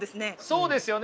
そうですよね。